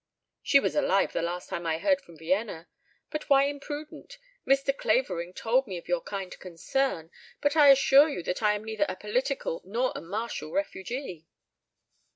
"She was alive the last time I heard from Vienna. But why imprudent? Mr. Clavering told me of your kind concern, but I assure you that I am neither a political nor a marital refugee."